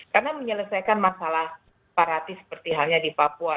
karena menyelesaikan masalah separatis seperti halnya di papua